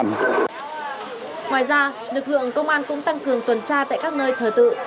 ngoài ra lực lượng công an cũng tăng cường tuần tra tại các nơi thờ tự